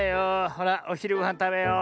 ほらおひるごはんたべよう。